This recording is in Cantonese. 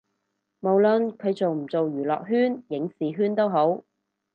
無論佢做唔做娛樂圈影視圈都好